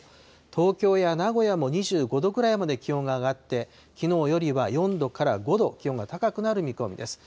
東京や名古屋も２５度くらいまで気温が上がって、きのうよりは４度から５度、気温が高くなる見込みです。